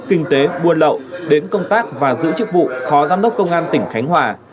kinh tế buôn lậu đến công tác và giữ chức vụ phó giám đốc công an tỉnh khánh hòa